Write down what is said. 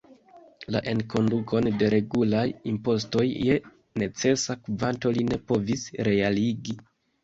La enkondukon de regulaj impostoj je necesa kvanto li ne povis realigi.